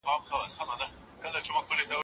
که پوهاوی زیات سوی وي نو تعصب نه پیاوړی کيږي.